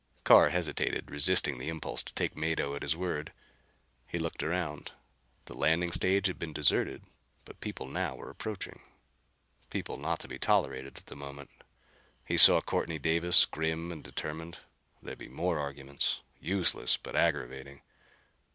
Carr hesitated, resisting the impulse to take Mado at his word. He looked around. The landing stage had been deserted, but people now were approaching. People not to be tolerated at the moment. He saw Courtney Davis, grim and determined. There'd be more arguments, useless but aggravating.